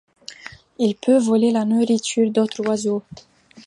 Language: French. Il peut voler la nourriture d'autres oiseaux.